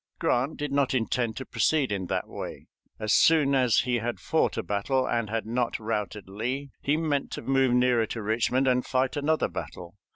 Grant did not intend to proceed in that way. As soon as he had fought a battle and had not routed Lee, he meant to move nearer to Richmond and fight another battle.